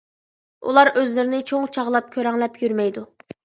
ئۇلار ئۆزلىرىنى چوڭ چاغلاپ كۆرەڭلەپ يۈرمەيدۇ.